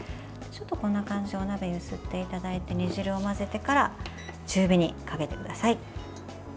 こんな感じで鍋を揺すっていただいて煮汁を混ぜてから中火にかけてください。